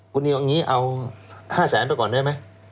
คุณนิวเอา๕แสนไปก่อนได้ไหม